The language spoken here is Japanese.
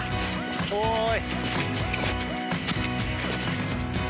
おい。